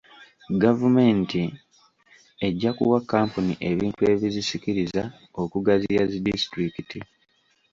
Gavumenti ejja kuwa Kkampuni ebintu ebizisikiriza okugaziya zi disitulikiti.